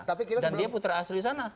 dan dia putra asli sana